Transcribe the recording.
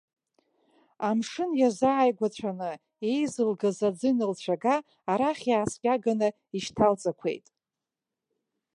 Амшын иазааигәацәаны иеизылгаз аӡы ианылцәага, арахь иааскьаганы ишьҭалҵақәеит.